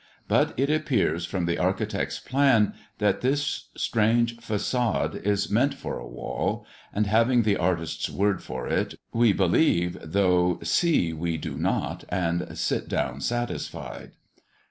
But it appears from the architect's plan that this strange façade is meant for a wall, and, having the artist's word for it, we believe, though see we do not, and sit down satisfied.